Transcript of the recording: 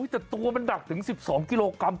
แต่ตัวมันหนักถึง๑๒กิโลกรัม